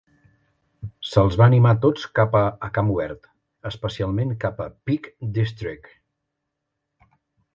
Se'ls va animar tots cap a camp obert, especialment cap a Peak District.